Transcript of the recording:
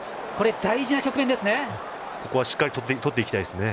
大事な局面ですね。